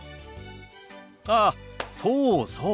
あそうそう。